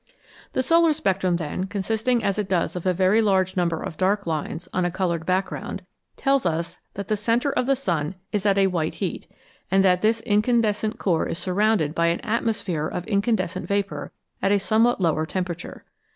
The solar spectrum, then, consisting as it does of a very large number of dark lines on a coloured back ground, tells us that the centre of the sun is at a white heat, and that this incandescent core is surrounded by an atmosphere of incandescent vapour at a somewhat lower temperature.